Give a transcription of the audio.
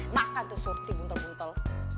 makan tuh surti buntel buntel